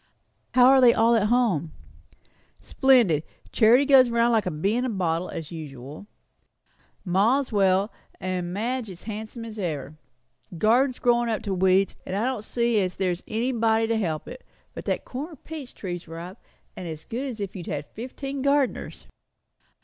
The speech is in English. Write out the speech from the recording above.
"How are they all at home?" "Splendid! Charity goes round like a bee in a bottle, as usual. Ma's well; and Madge is as handsome as ever. Garden's growin' up to weeds, and I don't see as there's anybody to help it; but that corner peach tree's ripe, and as good as if you had fifteen gardeners."